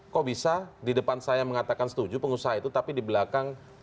kok bisa di depan saya mengatakan setuju pengusaha itu tapi di belakang